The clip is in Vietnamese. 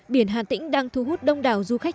biển hà tĩnh đang thu hút đông đảo du khách